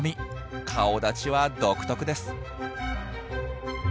顔だちは独特です。